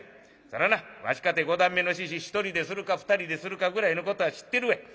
そらなわしかて五段目の猪１人でするか２人でするかぐらいのことは知ってるわい。